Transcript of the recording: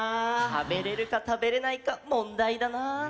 食べれるか食べれないかもんだいだな。